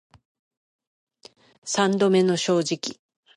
三度目の正直